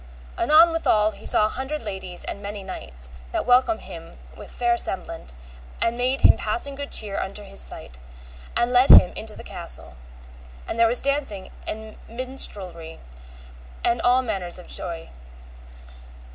Anon withal he saw an hundred ladies and many knights, that welcomed him with fair semblant, and made him passing good cheer unto his sight, and led him into the castle, and there was dancing and minstrelsy and all manner of joy.